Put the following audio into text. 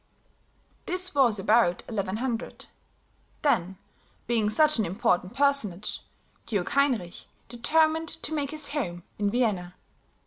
This was about 1100; then, being such an important personage, Duke Heinrich determined to make his home in Vienna.